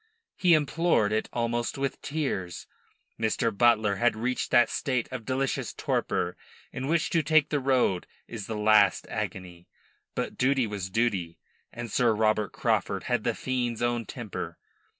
He implored it almost with tears. Mr. Butler had reached that state of delicious torpor in which to take the road is the last agony; but duty was duty, and Sir Robert Craufurd had the fiend's own temper.